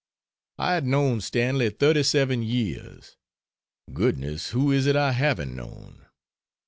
I had known Stanley 37 years. Goodness, who is it I haven't known!